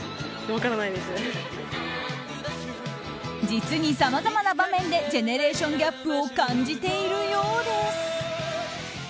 実にさまざまな場面でジェネレーションギャップを感じているようです。